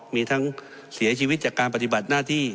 มีทั้งเสียชีวิตจากการปฏิบัติหน้าที่